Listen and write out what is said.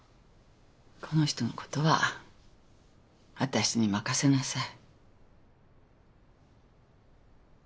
この人のことは私に任せなさい。